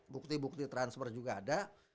bukti bukti transfer juga ada